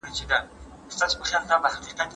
زه اوس سينه سپين کوم!.